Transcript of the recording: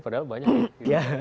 padahal banyak ya